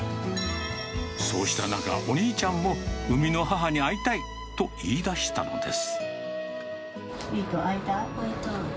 そうした中、お兄ちゃんも、生みの母に会いたいと言い出したのです。